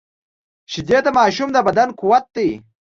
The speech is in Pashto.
شیدې د ماشوم د بدن قوت دي